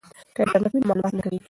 که انټرنیټ وي نو معلومات نه کمیږي.